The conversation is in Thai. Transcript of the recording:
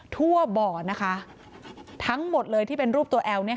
ทั่วบ่อนะคะทั้งหมดเลยที่เป็นรูปตัวแอลเนี่ย